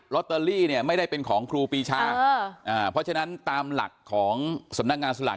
ตเตอรี่เนี่ยไม่ได้เป็นของครูปีชาเพราะฉะนั้นตามหลักของสำนักงานสลาก